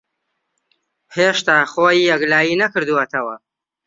ھێشتا خۆی یەکلایی نەکردووەتەوە.